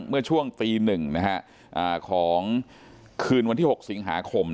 เมื่อช่วงตี๑ของคืนวันที่๖สิงหาคม